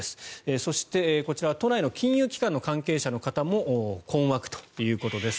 そして、こちらは都内の金融機関の関係者の方も困惑ということです。